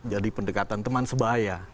jadi pendekatan teman sebaya